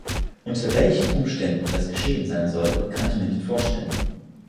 Unter welchen Umständen das geschehen sein soll, kann ich mir nicht vorstellen.